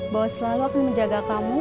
bahwa selalu akan menjaga kamu